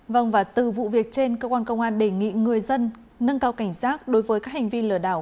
vâng và từ vụ việc trên công an xã thái hòa đề nghị người dân nâng cao cảnh giác đối với các hành vi lừa đảo